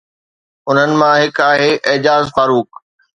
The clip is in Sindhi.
انهن مان هڪ آهي اعجاز فاروق.